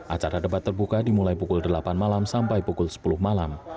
acara debat terbuka dimulai pukul delapan malam sampai pukul sepuluh malam